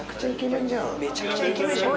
めちゃくちゃイケメンじゃん。